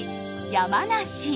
山梨。